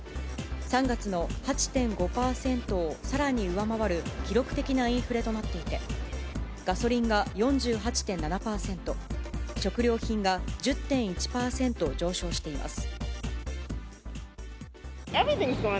３月の８．５％をさらに上回る記録的なインフレとなっていて、ガソリンが４８．７％、食料品が１０．１％上昇しています。